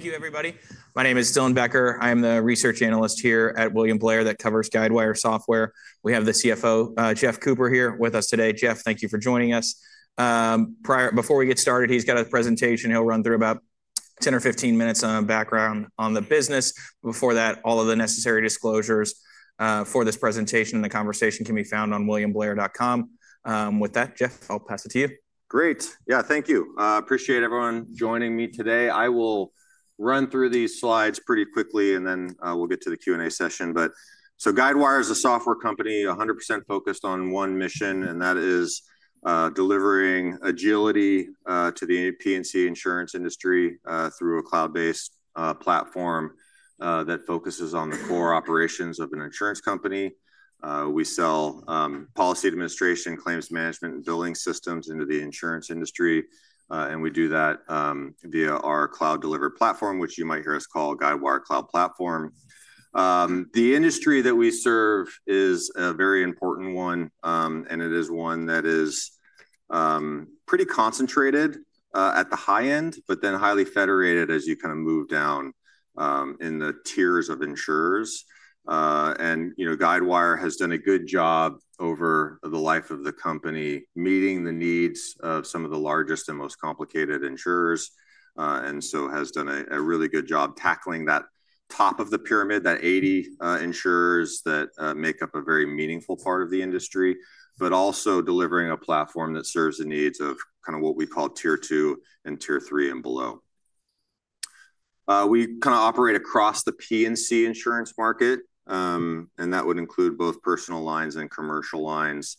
Thank you, everybody. My name is Dylan Becker. I'm the research analyst here at William Blair that covers Guidewire Software. We have the CFO, Jeff Cooper, here with us today. Jeff, thank you for joining us. Before we get started, he's got a presentation he'll run through, about 10 or 15 minutes on background on the business. Before that, all of the necessary disclosures for this presentation and the conversation can be found on williamblair.com. With that, Jeff, I'll pass it to you. Great. Yeah, thank you. Appreciate everyone joining me today. I will run through these slides pretty quickly, and then we'll get to the Q&A session. Guidewire is a software company 100% focused on one mission, and that is delivering agility to the P&C insurance industry through a cloud-based platform that focuses on the core operations of an insurance company. We sell policy administration, claims management, and billing systems into the insurance industry. We do that via our cloud-delivered platform, which you might hear us call Guidewire Cloud Platform. The industry that we serve is a very important one, and it is one that is pretty concentrated at the high end, but then highly federated as you kind of move down in the tiers of insurers. Guidewire has done a good job over the life of the company, meeting the needs of some of the largest and most complicated insurers, and has done a really good job tackling that top of the pyramid, that 80 insurers that make up a very meaningful part of the industry, but also delivering a platform that serves the needs of kind of what we call tier two and tier three and below. We kind of operate across the P&C insurance market, and that would include both personal lines and commercial lines.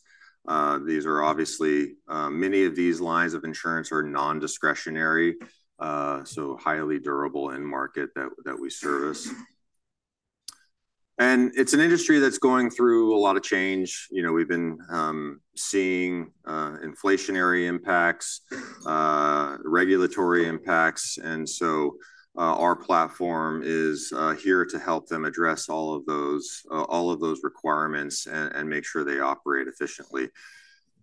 These are obviously, many of these lines of insurance are non-discretionary, so highly durable in the market that we service. It is an industry that is going through a lot of change. We have been seeing inflationary impacts, regulatory impacts. Our platform is here to help them address all of those requirements and make sure they operate efficiently.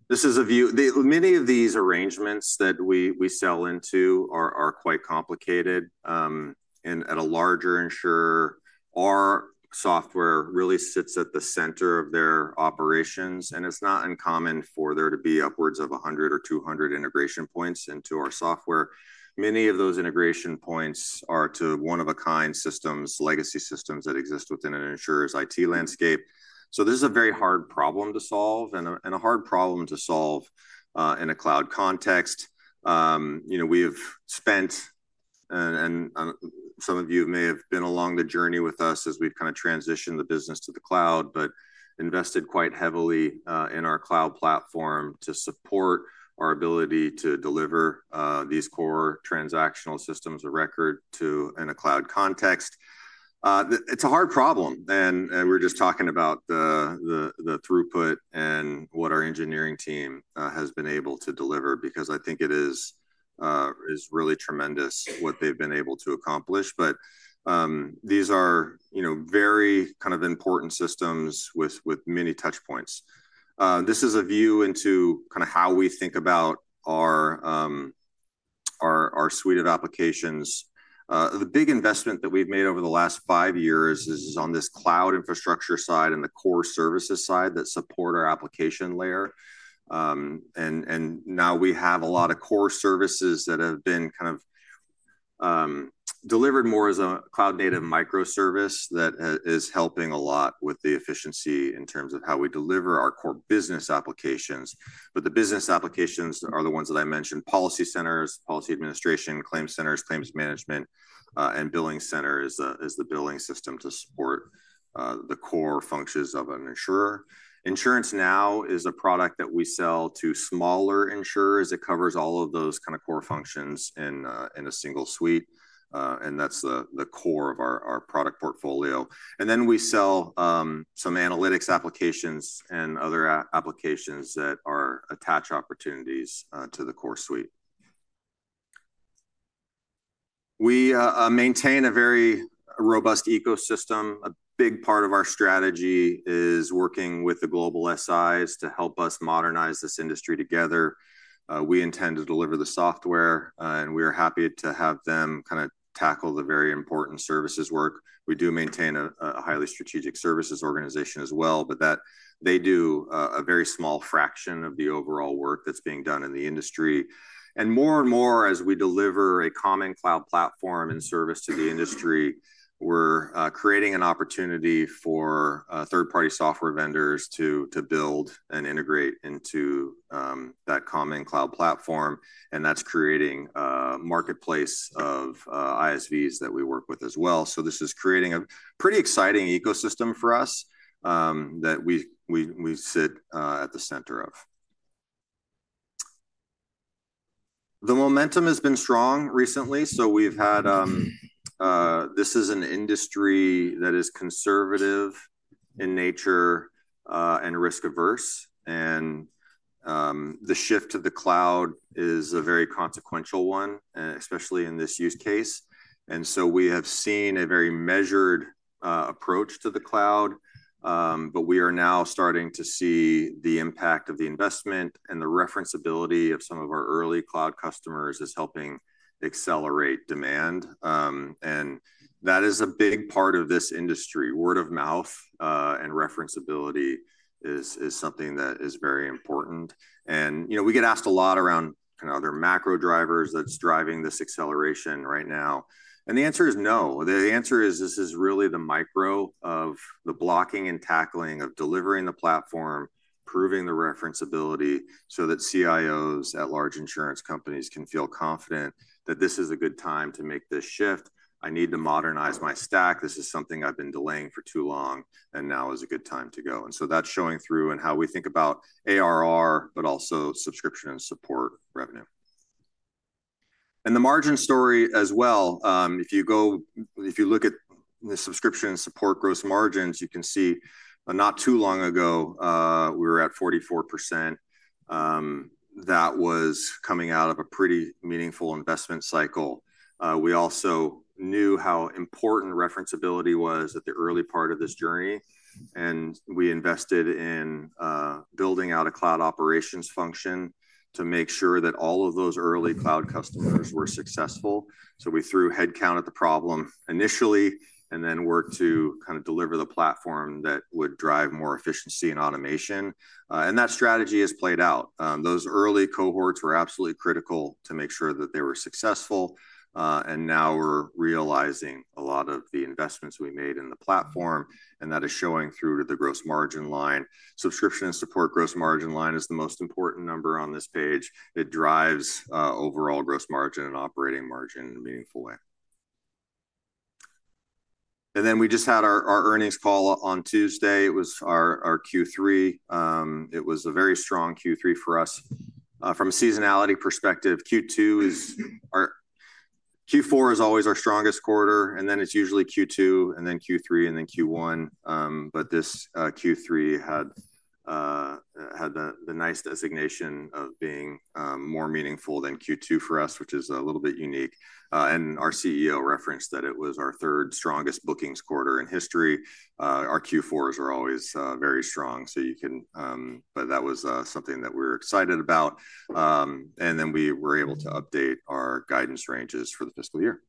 This is a view many of these arrangements that we sell into are quite complicated. At a larger insurer, our software really sits at the center of their operations. It is not uncommon for there to be upwards of 100 or 200 integration points into our software. Many of those integration points are to one-of-a-kind systems, legacy systems that exist within an insurer's IT landscape. This is a very hard problem to solve and a hard problem to solve in a cloud context. We have spent, and some of you may have been along the journey with us as we've kind of transitioned the business to the cloud, but invested quite heavily in our cloud platform to support our ability to deliver these core transactional systems of record in a cloud context. It's a hard problem. We're just talking about the throughput and what our engineering team has been able to deliver because I think it is really tremendous what they've been able to accomplish. These are very kind of important systems with many touch points. This is a view into kind of how we think about our suite of applications. The big investment that we've made over the last five years is on this cloud infrastructure side and the core services side that support our application layer. Now we have a lot of core services that have been kind of delivered more as a cloud-native microservice that is helping a lot with the efficiency in terms of how we deliver our core business applications. The business applications are the ones that I mentioned: PolicyCenter, policy administration, ClaimCenter, claims management, and BillingCenter is the billing system to support the core functions of an insurer. InsuranceNow is a product that we sell to smaller insurers. It covers all of those kind of core functions in a single suite. That is the core of our product portfolio. We sell some analytics applications and other applications that are attach opportunities to the core suite. We maintain a very robust ecosystem. A big part of our strategy is working with the global SIs to help us modernize this industry together. We intend to deliver the software, and we are happy to have them kind of tackle the very important services work. We do maintain a highly strategic services organization as well, but they do a very small fraction of the overall work that's being done in the industry. More and more, as we deliver a common cloud platform and service to the industry, we're creating an opportunity for third-party software vendors to build and integrate into that common cloud platform. That's creating a marketplace of ISVs that we work with as well. This is creating a pretty exciting ecosystem for us that we sit at the center of. The momentum has been strong recently. This is an industry that is conservative in nature and risk averse. The shift to the cloud is a very consequential one, especially in this use case. We have seen a very measured approach to the cloud. We are now starting to see the impact of the investment and the referenceability of some of our early cloud customers is helping accelerate demand. That is a big part of this industry. Word of mouth and referenceability is something that is very important. We get asked a lot around kind of other macro drivers that are driving this acceleration right now. The answer is no. The answer is this is really the micro of the blocking and tackling of delivering the platform, proving the referenceability so that CIOs at large insurance companies can feel confident that this is a good time to make this shift. I need to modernize my stack. This is something I've been delaying for too long, and now is a good time to go. That is showing through in how we think about ARR, but also subscription and support revenue. The margin story as well. If you look at the subscription and support gross margins, you can see not too long ago, we were at 44%. That was coming out of a pretty meaningful investment cycle. We also knew how important referenceability was at the early part of this journey. We invested in building out a cloud operations function to make sure that all of those early cloud customers were successful. We threw headcount at the problem initially and then worked to kind of deliver the platform that would drive more efficiency and automation. That strategy has played out. Those early cohorts were absolutely critical to make sure that they were successful. Now we're realizing a lot of the investments we made in the platform. That is showing through to the gross margin line. Subscription and support gross margin line is the most important number on this page. It drives overall gross margin and operating margin in a meaningful way. We just had our earnings call on Tuesday. It was our Q3. It was a very strong Q3 for us. From a seasonality perspective, Q4 is always our strongest quarter. It is usually Q2, then Q3, and then Q1. This Q3 had the nice designation of being more meaningful than Q2 for us, which is a little bit unique. Our CEO referenced that it was our third strongest bookings quarter in history. Our Q4s are always very strong. That was something that we were excited about. We were able to update our guidance ranges for the fiscal year.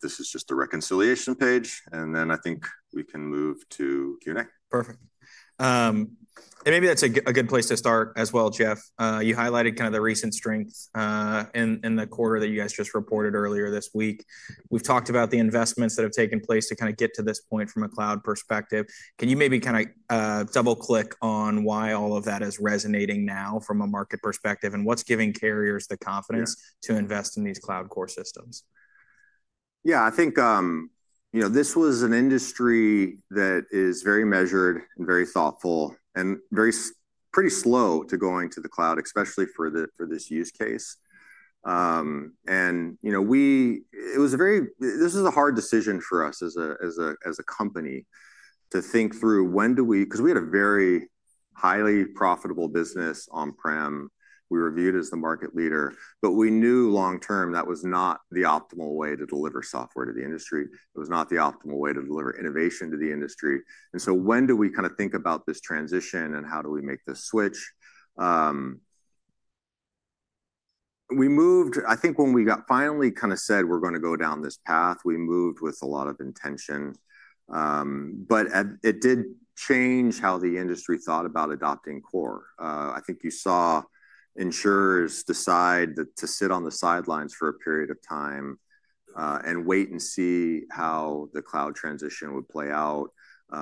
This is just the reconciliation page. I think we can move to Q&A. Perfect. Maybe that's a good place to start as well, Jeff. You highlighted kind of the recent strength in the quarter that you guys just reported earlier this week. We've talked about the investments that have taken place to kind of get to this point from a cloud perspective. Can you maybe kind of double-click on why all of that is resonating now from a market perspective and what's giving carriers the confidence to invest in these cloud core systems? Yeah, I think this was an industry that is very measured and very thoughtful and pretty slow to go into the cloud, especially for this use case. It was a very—this is a hard decision for us as a company to think through when do we—because we had a very highly profitable business on-prem. We were viewed as the market leader. We knew long-term that was not the optimal way to deliver software to the industry. It was not the optimal way to deliver innovation to the industry. When do we kind of think about this transition and how do we make this switch? I think when we finally kind of said we're going to go down this path, we moved with a lot of intention. It did change how the industry thought about adopting core. I think you saw insurers decide to sit on the sidelines for a period of time and wait and see how the cloud transition would play out,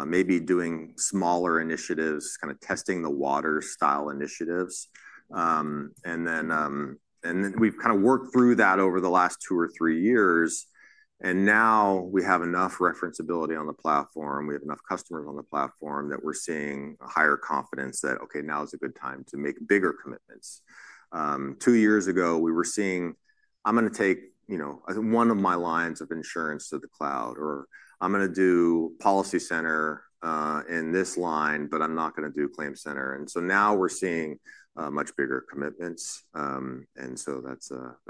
maybe doing smaller initiatives, kind of testing the water-style initiatives. We have kind of worked through that over the last two or three years. Now we have enough referenceability on the platform. We have enough customers on the platform that we're seeing a higher confidence that, okay, now is a good time to make bigger commitments. Two years ago, we were seeing, "I'm going to take one of my lines of insurance to the cloud," or, "I'm going to do PolicyCenter in this line, but I'm not going to do ClaimCenter." Now we're seeing much bigger commitments. That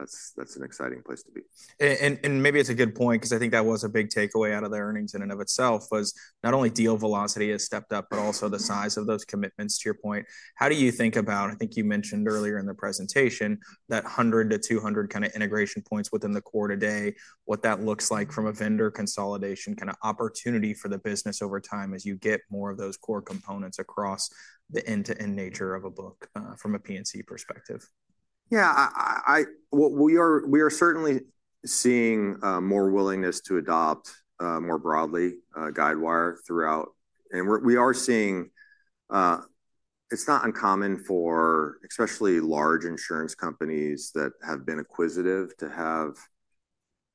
is an exciting place to be. Maybe it's a good point because I think that was a big takeaway out of the earnings in and of itself was not only deal velocity has stepped up, but also the size of those commitments, to your point. How do you think about—I think you mentioned earlier in the presentation that 100-200 kind of integration points within the core today, what that looks like from a vendor consolidation kind of opportunity for the business over time as you get more of those core components across the end-to-end nature of a book from a P&C perspective? Yeah. We are certainly seeing more willingness to adopt more broadly Guidewire throughout. We are seeing it's not uncommon for especially large insurance companies that have been acquisitive to have,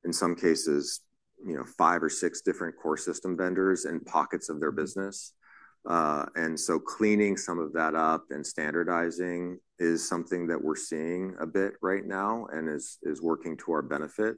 in some cases, five or six different core system vendors in pockets of their business. Cleaning some of that up and standardizing is something that we're seeing a bit right now and is working to our benefit.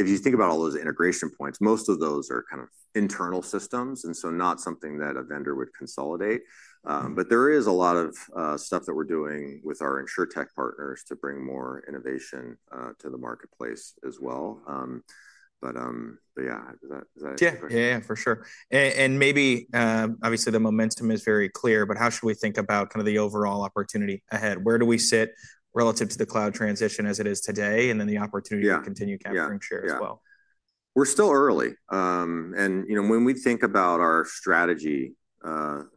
If you think about all those integration points, most of those are kind of internal systems and not something that a vendor would consolidate. There is a lot of stuff that we're doing with our insurtech partners to bring more innovation to the marketplace as well. Yeah, is that a question? Yeah, yeah, for sure. Maybe obviously the momentum is very clear, but how should we think about kind of the overall opportunity ahead? Where do we sit relative to the cloud transition as it is today and then the opportunity to continue capturing share as well? Yeah. We're still early. When we think about our strategy,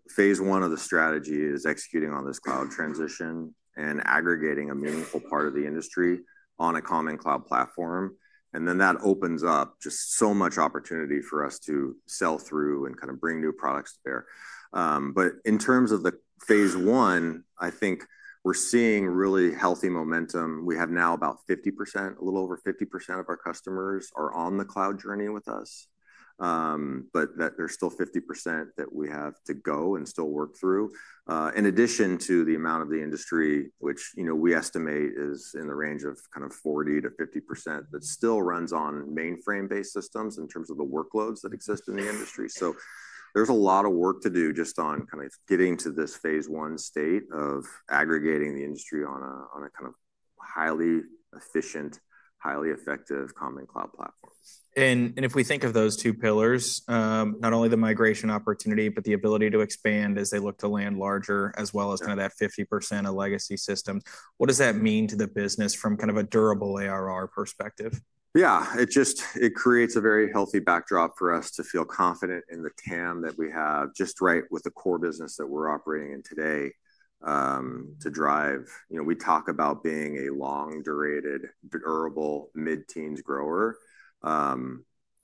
phase one of the strategy is executing on this cloud transition and aggregating a meaningful part of the industry on a common cloud platform. That opens up just so much opportunity for us to sell through and kind of bring new products there. In terms of the phase one, I think we're seeing really healthy momentum. We have now about 50%, a little over 50% of our customers are on the cloud journey with us. There's still 50% that we have to go and still work through. In addition to the amount of the industry, which we estimate is in the range of kind of 40-50%, that still runs on mainframe-based systems in terms of the workloads that exist in the industry. There's a lot of work to do just on kind of getting to this phase one state of aggregating the industry on a kind of highly efficient, highly effective common cloud platform. If we think of those two pillars, not only the migration opportunity, but the ability to expand as they look to land larger, as well as kind of that 50% of legacy systems, what does that mean to the business from kind of a durable ARR perspective? Yeah. It creates a very healthy backdrop for us to feel confident in the TAM that we have just right with the core business that we're operating in today to drive. We talk about being a long-durated, durable mid-teens grower.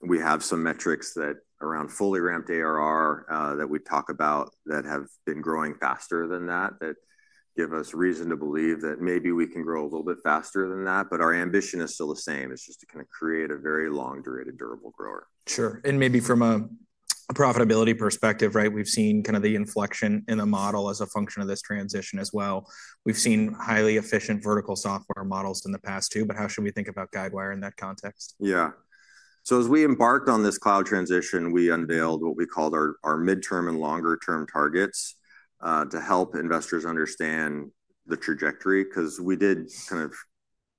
We have some metrics around fully ramped ARR that we talk about that have been growing faster than that that give us reason to believe that maybe we can grow a little bit faster than that. Our ambition is still the same. It's just to kind of create a very long-durated, durable grower. Sure. Maybe from a profitability perspective, right, we've seen kind of the inflection in the model as a function of this transition as well. We've seen highly efficient vertical software models in the past too. How should we think about Guidewire in that context? Yeah. As we embarked on this cloud transition, we unveiled what we called our midterm and longer-term targets to help investors understand the trajectory because we did kind of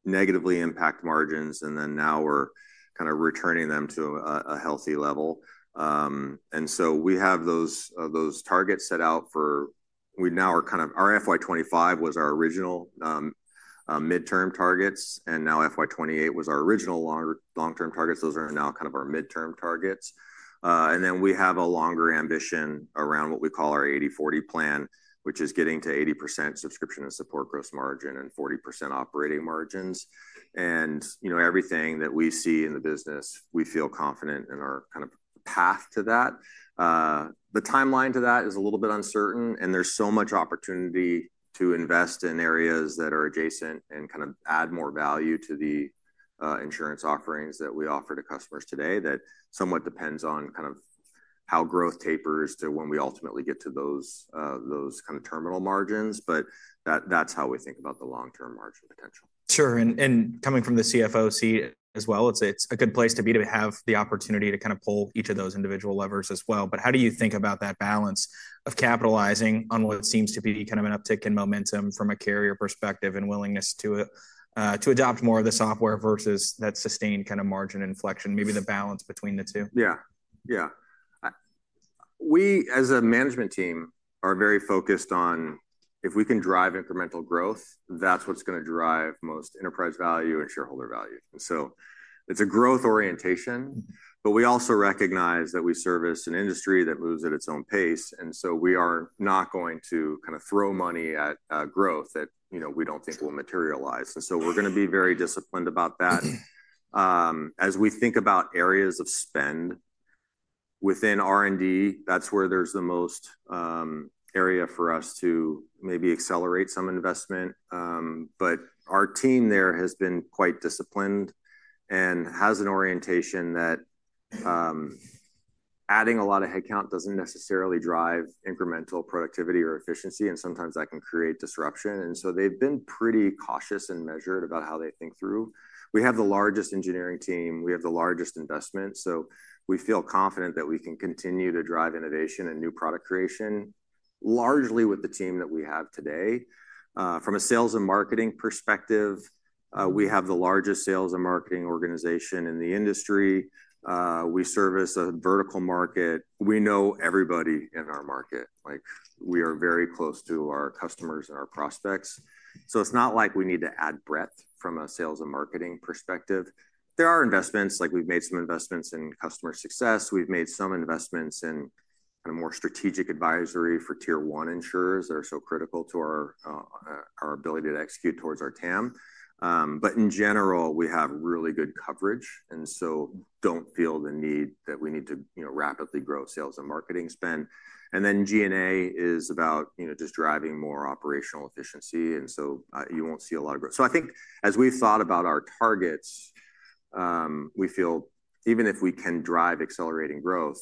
negatively impact margins. Now we're kind of returning them to a healthy level. We have those targets set out for we now are kind of our FY2025 was our original midterm targets. Now FY2028 was our original long-term targets. Those are now kind of our midterm targets. We have a longer ambition around what we call our 80/40 plan, which is getting to 80% subscription and support gross margin and 40% operating margins. Everything that we see in the business, we feel confident in our kind of path to that. The timeline to that is a little bit uncertain. There is so much opportunity to invest in areas that are adjacent and kind of add more value to the insurance offerings that we offer to customers today that somewhat depends on kind of how growth tapers to when we ultimately get to those kind of terminal margins. That is how we think about the long-term margin potential. Sure. Coming from the CFO seat as well, it's a good place to be to have the opportunity to kind of pull each of those individual levers as well. How do you think about that balance of capitalizing on what seems to be kind of an uptick in momentum from a carrier perspective and willingness to adopt more of the software versus that sustained kind of margin inflection, maybe the balance between the two? Yeah. Yeah. We, as a management team, are very focused on if we can drive incremental growth, that's what's going to drive most enterprise value and shareholder value. It's a growth orientation. We also recognize that we service an industry that moves at its own pace. We are not going to kind of throw money at growth that we don't think will materialize. We are going to be very disciplined about that. As we think about areas of spend within R&D, that's where there's the most area for us to maybe accelerate some investment. Our team there has been quite disciplined and has an orientation that adding a lot of headcount doesn't necessarily drive incremental productivity or efficiency. Sometimes that can create disruption. They've been pretty cautious and measured about how they think through. We have the largest engineering team. We have the largest investment. We feel confident that we can continue to drive innovation and new product creation largely with the team that we have today. From a sales and marketing perspective, we have the largest sales and marketing organization in the industry. We service a vertical market. We know everybody in our market. We are very close to our customers and our prospects. It is not like we need to add breadth from a sales and marketing perspective. There are investments. We have made some investments in customer success. We have made some investments in kind of more strategic advisory for tier one insurers that are so critical to our ability to execute towards our TAM. In general, we have really good coverage. We do not feel the need that we need to rapidly grow sales and marketing spend. G&A is about just driving more operational efficiency. You will not see a lot of growth. I think as we have thought about our targets, we feel even if we can drive accelerating growth,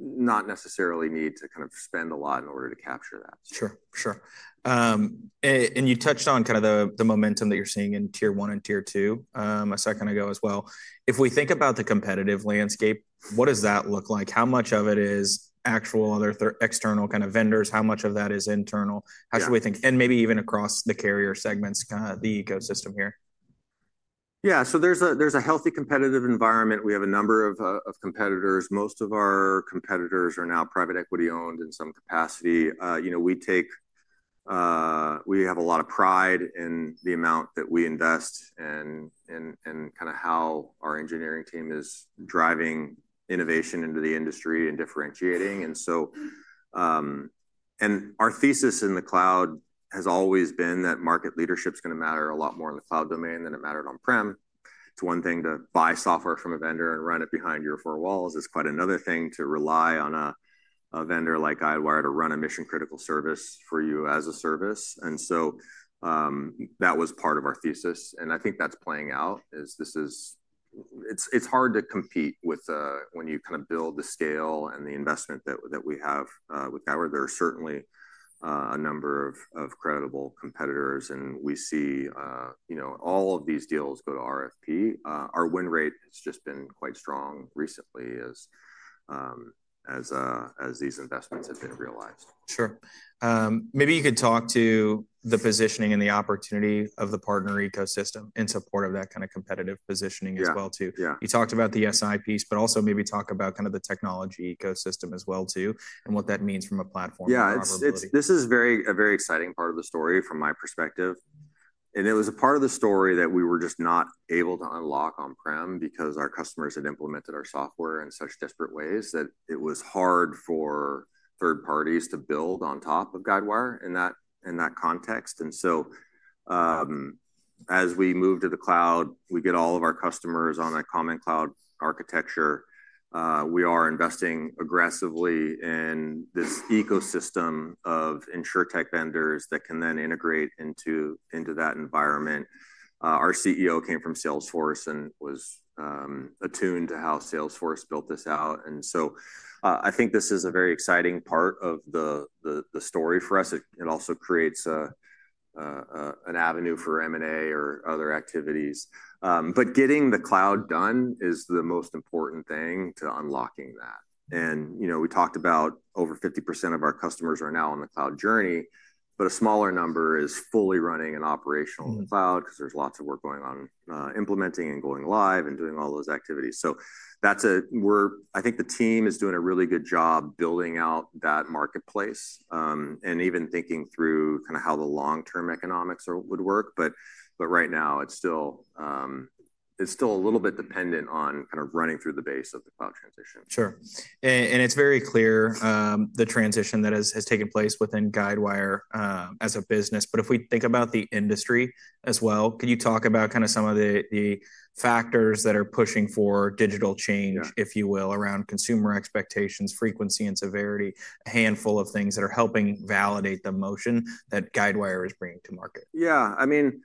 we do not necessarily need to kind of spend a lot in order to capture that. Sure. Sure. You touched on kind of the momentum that you're seeing in tier one and tier two a second ago as well. If we think about the competitive landscape, what does that look like? How much of it is actual other external kind of vendors? How much of that is internal? How should we think? Maybe even across the carrier segments, kind of the ecosystem here? Yeah. So there's a healthy competitive environment. We have a number of competitors. Most of our competitors are now private equity-owned in some capacity. We have a lot of pride in the amount that we invest and kind of how our engineering team is driving innovation into the industry and differentiating. Our thesis in the cloud has always been that market leadership is going to matter a lot more in the cloud domain than it mattered on-prem. It's one thing to buy software from a vendor and run it behind your four walls. It's quite another thing to rely on a vendor like Guidewire to run a mission-critical service for you as a service. That was part of our thesis. I think that's playing out as it's hard to compete with when you kind of build the scale and the investment that we have with Guidewire. There are certainly a number of credible competitors. We see all of these deals go to RFP. Our win rate has just been quite strong recently as these investments have been realized. Sure. Maybe you could talk to the positioning and the opportunity of the partner ecosystem in support of that kind of competitive positioning as well too. You talked about the SI piece, but also maybe talk about kind of the technology ecosystem as well too and what that means from a platform. Yeah. This is a very exciting part of the story from my perspective. It was a part of the story that we were just not able to unlock on-prem because our customers had implemented our software in such disparate ways that it was hard for third parties to build on top of Guidewire in that context. As we move to the cloud, we get all of our customers on a common cloud architecture. We are investing aggressively in this ecosystem of insurtech vendors that can then integrate into that environment. Our CEO came from Salesforce and was attuned to how Salesforce built this out. I think this is a very exciting part of the story for us. It also creates an avenue for M&A or other activities. Getting the cloud done is the most important thing to unlocking that. We talked about over 50% of our customers are now on the cloud journey, but a smaller number is fully running and operational in the cloud because there's lots of work going on implementing and going live and doing all those activities. I think the team is doing a really good job building out that marketplace and even thinking through kind of how the long-term economics would work. Right now, it's still a little bit dependent on kind of running through the base of the cloud transition. Sure. It's very clear the transition that has taken place within Guidewire as a business. If we think about the industry as well, could you talk about kind of some of the factors that are pushing for digital change, if you will, around consumer expectations, frequency, and severity, a handful of things that are helping validate the motion that Guidewire is bringing to market? Yeah. I mean,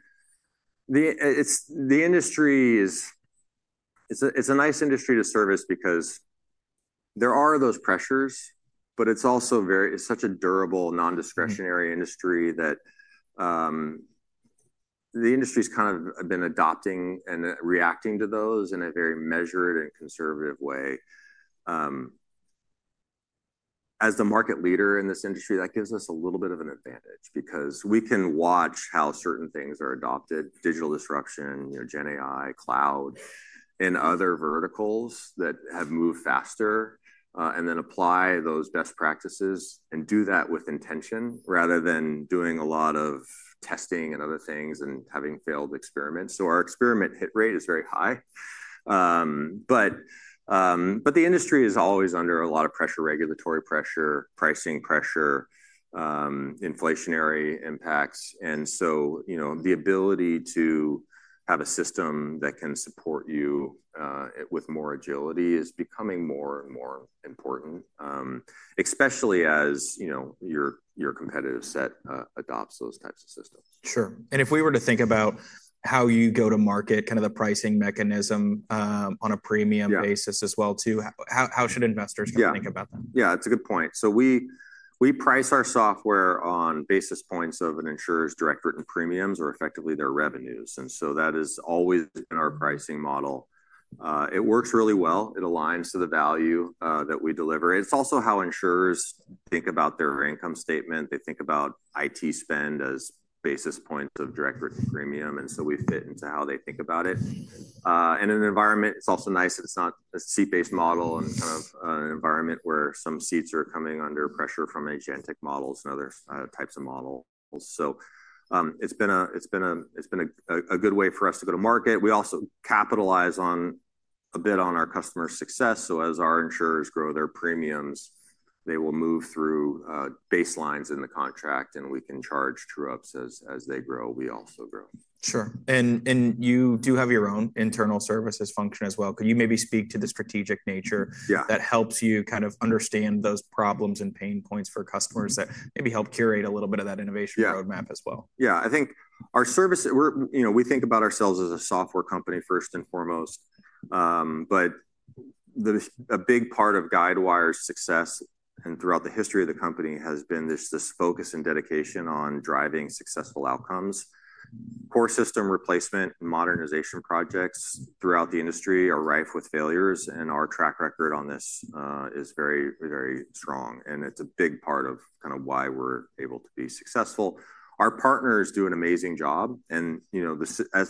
the industry is a nice industry to service because there are those pressures, but it's also such a durable, non-discretionary industry that the industry's kind of been adopting and reacting to those in a very measured and conservative way. As the market leader in this industry, that gives us a little bit of an advantage because we can watch how certain things are adopted: digital disruption, GenAI, cloud, and other verticals that have moved faster and then apply those best practices and do that with intention rather than doing a lot of testing and other things and having failed experiments. Our experiment hit rate is very high. The industry is always under a lot of pressure: regulatory pressure, pricing pressure, inflationary impacts. The ability to have a system that can support you with more agility is becoming more and more important, especially as your competitive set adopts those types of systems. Sure. If we were to think about how you go to market, kind of the pricing mechanism on a premium basis as well too, how should investors think about that? Yeah. Yeah. It's a good point. We price our software on basis points of an insurer's direct written premiums or effectively their revenues. That is always in our pricing model. It works really well. It aligns to the value that we deliver. It's also how insurers think about their income statement. They think about IT spend as basis points of direct written premium. We fit into how they think about it. In an environment, it's also nice that it's not a seat-based model and kind of an environment where some seats are coming under pressure from agentic models and other types of models. It's been a good way for us to go to market. We also capitalize a bit on our customer success. As our insurers grow their premiums, they will move through baselines in the contract, and we can charge true-ups as they grow. We also grow. Sure. You do have your own internal services function as well. Could you maybe speak to the strategic nature that helps you kind of understand those problems and pain points for customers that maybe help curate a little bit of that innovation roadmap as well? Yeah. I think our service, we think about ourselves as a software company first and foremost. A big part of Guidewire's success and throughout the history of the company has been this focus and dedication on driving successful outcomes. Core system replacement and modernization projects throughout the industry are rife with failures. Our track record on this is very, very strong. It is a big part of kind of why we're able to be successful. Our partners do an amazing job.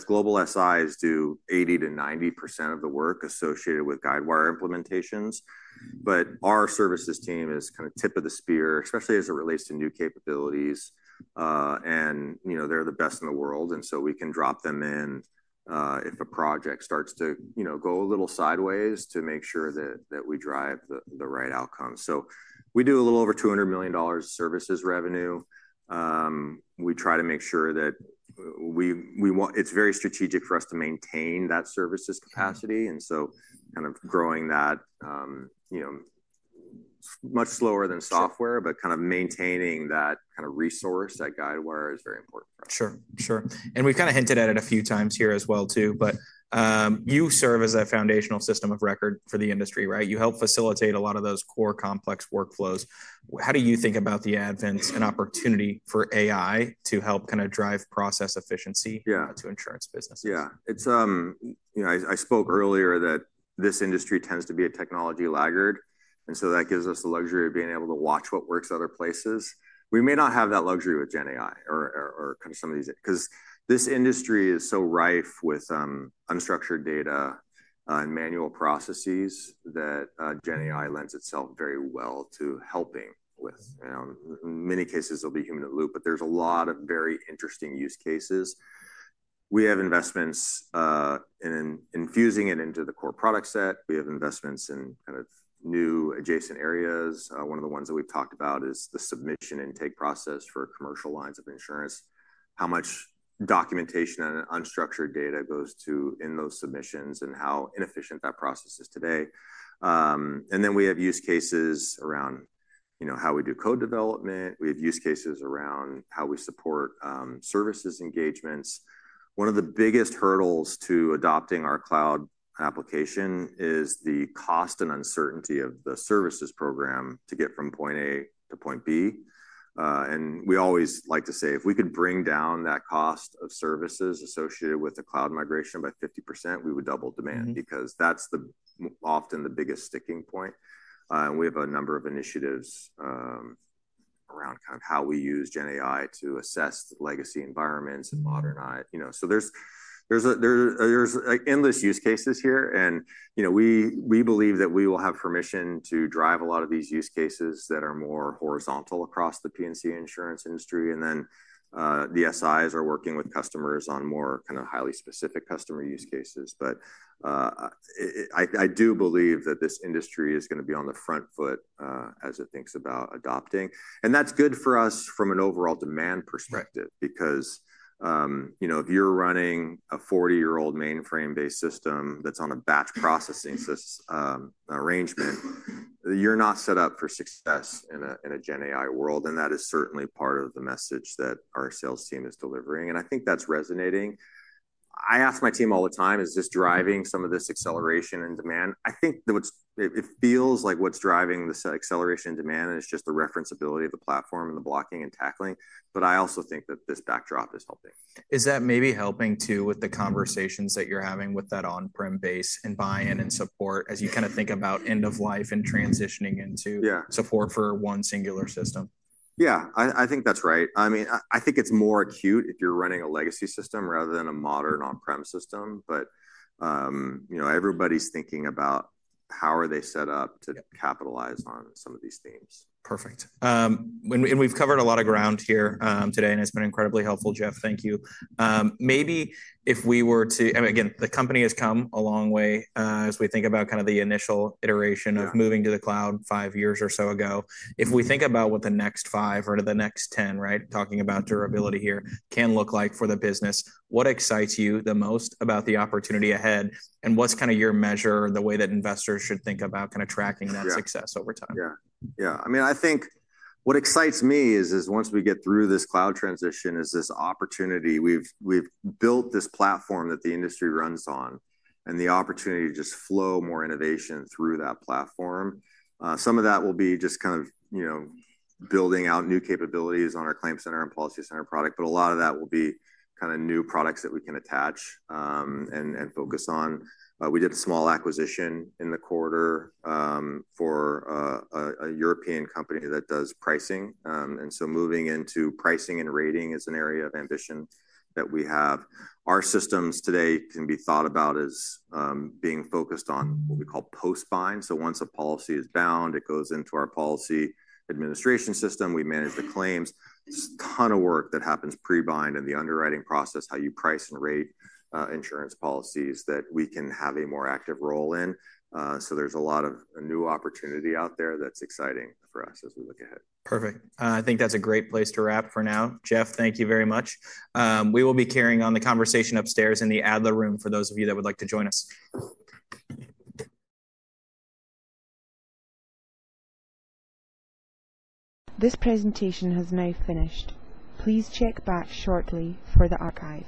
Global SIs do 80-90% of the work associated with Guidewire implementations. Our services team is kind of tip of the spear, especially as it relates to new capabilities. They're the best in the world. We can drop them in if a project starts to go a little sideways to make sure that we drive the right outcomes. We do a little over $200 million in services revenue. We try to make sure that it's very strategic for us to maintain that services capacity. Kind of growing that much slower than software, but kind of maintaining that kind of resource at Guidewire is very important for us. Sure. Sure. And we've kind of hinted at it a few times here as well too. But you serve as a foundational system of record for the industry, right? You help facilitate a lot of those core complex workflows. How do you think about the advent and opportunity for AI to help kind of drive process efficiency to insurance businesses? Yeah. I spoke earlier that this industry tends to be a technology laggard. That gives us the luxury of being able to watch what works other places. We may not have that luxury with GenAI or kind of some of these because this industry is so rife with unstructured data and manual processes that GenAI lends itself very well to helping with. In many cases, there'll be human in the loop, but there's a lot of very interesting use cases. We have investments in infusing it into the core product set. We have investments in kind of new adjacent areas. One of the ones that we've talked about is the submission intake process for commercial lines of insurance, how much documentation and unstructured data goes in those submissions and how inefficient that process is today. We have use cases around how we do code development. We have use cases around how we support services engagements. One of the biggest hurdles to adopting our cloud application is the cost and uncertainty of the services program to get from point A to point B. We always like to say, if we could bring down that cost of services associated with the cloud migration by 50%, we would double demand because that's often the biggest sticking point. We have a number of initiatives around kind of how we use GenAI to assess legacy environments and modernize. There are endless use cases here. We believe that we will have permission to drive a lot of these use cases that are more horizontal across the P&C insurance industry. The SIs are working with customers on more kind of highly specific customer use cases. I do believe that this industry is going to be on the front foot as it thinks about adopting. That is good for us from an overall demand perspective because if you're running a 40-year-old mainframe-based system that's on a batch processing arrangement, you're not set up for success in a GenAI world. That is certainly part of the message that our sales team is delivering. I think that's resonating. I ask my team all the time, is this driving some of this acceleration and demand? I think it feels like what's driving this acceleration and demand is just the referenceability of the platform and the blocking and tackling. I also think that this backdrop is helping. Is that maybe helping too with the conversations that you're having with that on-prem base and buy-in and support as you kind of think about end of life and transitioning into support for one singular system? Yeah. I think that's right. I mean, I think it's more acute if you're running a legacy system rather than a modern on-prem system. Everybody's thinking about how are they set up to capitalize on some of these themes. Perfect. We have covered a lot of ground here today, and it has been incredibly helpful, Jeff. Thank you. Maybe if we were to, again, the company has come a long way as we think about kind of the initial iteration of moving to the cloud five years or so ago. If we think about what the next five or the next 10, right, talking about durability here, can look like for the business, what excites you the most about the opportunity ahead? What is kind of your measure, the way that investors should think about kind of tracking that success over time? Yeah. Yeah. I mean, I think what excites me is once we get through this cloud transition, is this opportunity. We have built this platform that the industry runs on and the opportunity to just flow more innovation through that platform. Some of that will be just kind of building out new capabilities on our ClaimCenter and PolicyCenter product. A lot of that will be kind of new products that we can attach and focus on. We did a small acquisition in the quarter for a European company that does pricing. Moving into pricing and rating is an area of ambition that we have. Our systems today can be thought about as being focused on what we call post-bind. Once a policy is bound, it goes into our policy administration system. We manage the claims. There's a ton of work that happens pre-bind in the underwriting process, how you price and rate insurance policies that we can have a more active role in. There is a lot of new opportunity out there that's exciting for us as we look ahead. Perfect. I think that's a great place to wrap for now. Jeff, thank you very much. We will be carrying on the conversation upstairs in the Adler room for those of you that would like to join us. This presentation has now finished. Please check back shortly for the archive.